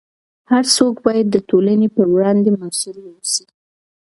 هر څوک باید د ټولنې په وړاندې مسؤل واوسي.